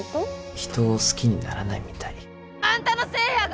人を好きにならないみたいあんたのせいやが！